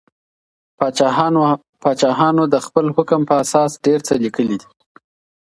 پاچاهانو د خپل حکم په اساس ډیر څه لیکلي دي.